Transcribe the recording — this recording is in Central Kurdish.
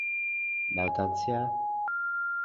ناوتان چییە؟